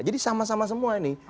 sama sama semua ini